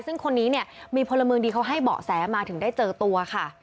ซึ่งคนนี้เนี่ยมีพลเมืองดีเขาให้เบาะแสมาถึงได้เจอตัวค่ะ